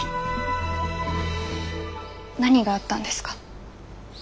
何があったんですか？